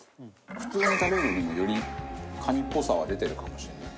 普通に食べるよりもよりカニっぽさは出てるかもしれない。